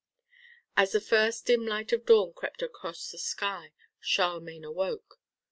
As the first dim light of dawn crept across the sky, Charlemagne awoke.